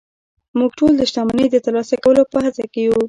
موږ ټول د شتمنۍ د ترلاسه کولو په هڅه کې يو